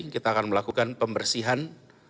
kita akan melakukan pembersihan